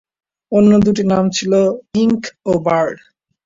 অন্য দুটি নাম ছিল "ইঙ্ক" ও "বার্ড"।